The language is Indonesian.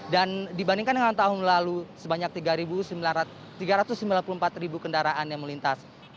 dan dibandingkan dengan tahun lalu sebanyak tiga ratus sembilan puluh empat kendaraan yang melintas